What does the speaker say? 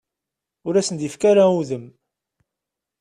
Ur asent-d-yefki ara udem.